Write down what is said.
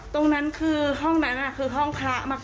ตรงนั้นคือห้องนั้นคือห้องพระมาก